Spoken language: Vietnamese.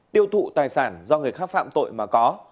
tiêu thụ tài sản do người khác phạm tội mà có